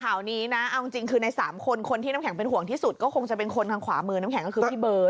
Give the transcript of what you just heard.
ข่าวนี้นะเอาจริงคือใน๓คนคนที่น้ำแข็งเป็นห่วงที่สุดก็คงจะเป็นคนทางขวามือน้ำแข็งก็คือพี่เบิร์ต